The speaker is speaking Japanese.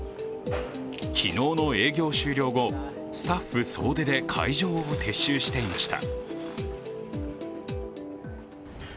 昨日の営業終了後、スタッフ総出で会場を撤収していました。